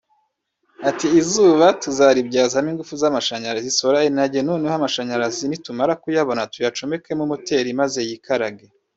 Ati “Izuba tuzaribyazamo ingufu z’amashyanyarazi (solar energy) noneho amashyanyarazi nitumara kuyabona tuyacomekeho moteri maze yikarage